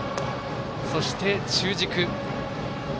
そして、中軸。